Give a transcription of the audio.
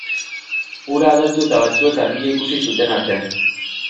Hura agertu eta batzuek argia ikusi zuten arte.